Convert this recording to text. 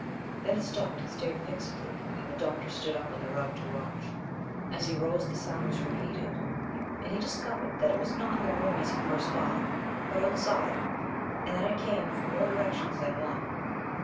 Then it stopped and stared fixedly; and the doctor stood up on the rug to watch. As he rose the sound was repeated, and he discovered that it was not in the room as he first thought, but outside, and that it came from more directions than one.